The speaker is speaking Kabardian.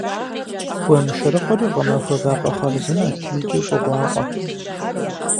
Гуэншэрыкъыр гъэмахуэ вакъэ хъарзынэт икӀи щӀыгъуафӀэт.